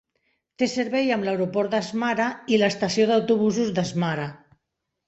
Té servei amb l'aeroport de Smara i l'estació d'autobusos de Smara.